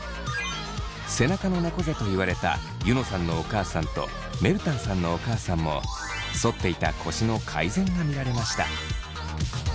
背中のねこ背と言われたユノさんのお母さんとめるたんさんのお母さんも反っていた腰の改善が見られました。